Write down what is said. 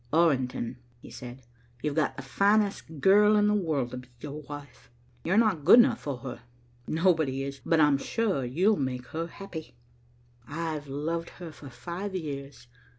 "Orrington," he said, "you've got the finest girl in the world to be your wife. You're not good enough for her. Nobody is, but I'm sure you'll make her happy. I've loved her for five years.